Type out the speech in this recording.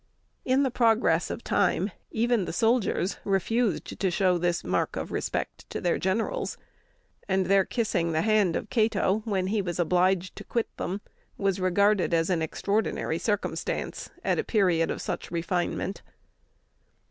In the progress of time, even the soldiers refused to show this mark of respect to their generals; and their kissing the hand of Cato when he was obliged to quit them was regarded as an extraordinary circumstance, at a period of such refinement.